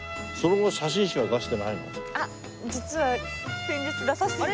あっ実は。